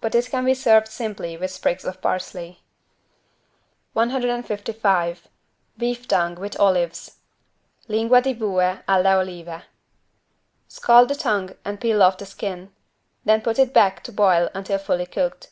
But it can be served simply with sprigs of parsley. 155 BEEF TONGUE WITH OLIVES (Lingua di bue alle olive) Scald the tongue and peel off the skin. Then put it back to boil until fully cooked.